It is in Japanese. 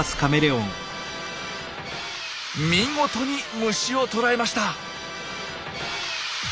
見事に虫を捕らえました！